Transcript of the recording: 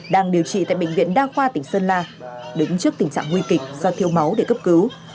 đang điều trị tại bệnh viện đa khoa tỉnh sơn la đứng trước tình trạng nguy kịch do thiếu máu để cấp cứu